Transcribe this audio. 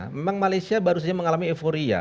memang malaysia baru saja mengalami euforia